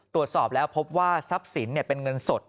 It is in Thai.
ตรวจสอบแล้วพบว่าทรัพย์สินเป็นเงินสด